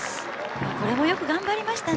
ここもよく頑張りましたね。